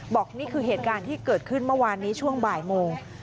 นี่คือเหตุการณ์ที่เกิดขึ้นเมื่อวานนี้ช่วงบ่ายโมง